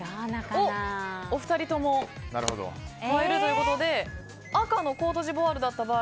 お二人とも変えるということで赤のコートジボワールだった場合。